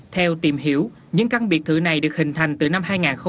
theo tìm hiểu những căn biệt thự này được hình thành từ năm hai nghìn một mươi